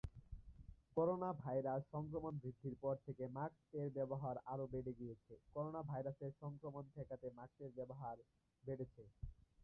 Corona virus সংক্রমণ বৃদ্ধির পর থেকে মাস্ক এর ব্যবহার আরও বেড়ে গিয়েছে, করোনা ভাইরাসের সংক্রমণ ঠেকাতে মাস্ক এর ব্যবহার বেড়েছে।